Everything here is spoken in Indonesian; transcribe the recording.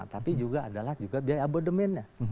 tapi juga adalah juga biaya abodemennya